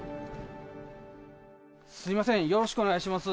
すみません、よろしくお願いします。